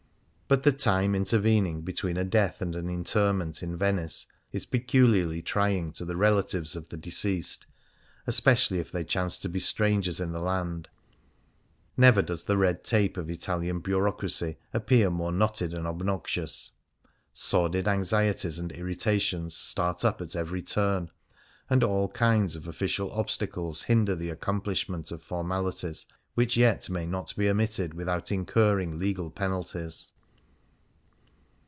But the time intervening between a death and an interment in Venice is peculiarly trying to the relatives of the deceased, especially if they chance to be strangers in the land. Never does the red tape of Italian bureaucracy appear more knotted and obnoxious. Sordid anxieties and irritations start up at every turn, and all kinds of official obstacles hinder the accom plishment of formalities which yet may not be omitted without incurring legal penalties.